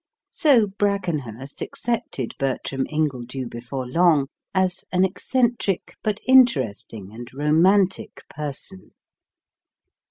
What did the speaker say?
So Brackenhurst accepted Bertram Ingledew before long, as an eccentric but interesting and romantic person.